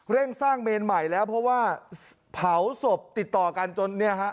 เร่งสร้างเมนใหม่แล้วเพราะว่าเผาศพติดต่อกันจนเนี่ยฮะ